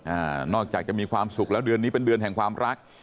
อ่านอกจากจะมีความสุขแล้วเดือนนี้เป็นเดือนแห่งความรัก